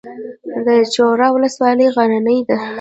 د چوره ولسوالۍ غرنۍ ده